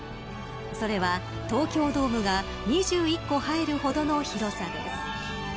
それは、東京ドームが２１個入るほどの広さです。